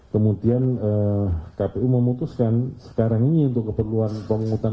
kemudian kpu memutuskan sekarang ini untuk keperluan penghutang